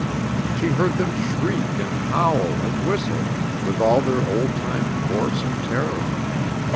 She heard them shriek and howl and whistle with all their old time force and terror.